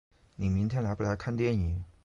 你明天来不来看电影？